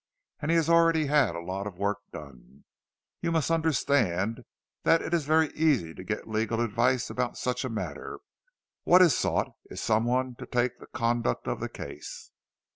And he has already had a lot of work done. You must understand that it is very easy to get legal advice about such a matter—what is sought is some one to take the conduct of the case."